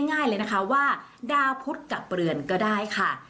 ง่ายเลยนะคะว่าดาวพุทธกับเรือนก็ได้ค่ะ